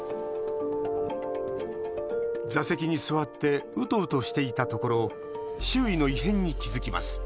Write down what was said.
座席に座ってうとうとしていたところ周囲の異変に気付きます。